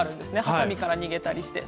はさみから逃げたりして。